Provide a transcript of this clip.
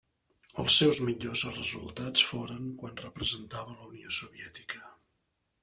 Els seus millors resultats foren quan representava la Unió Soviètica.